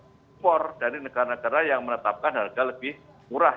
impor dari negara negara yang menetapkan harga lebih murah